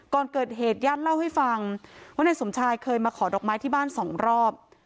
ก่อนเกิดเหตุญาติเล่าให้ฟังว่านายสมชายเคยมาขอดอกไม้ที่บ้านสองรอบ